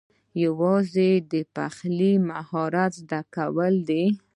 یوازې د پخلي مهارت زده کول دي